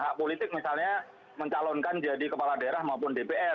hak politik misalnya mencalonkan jadi kepala daerah maupun dpr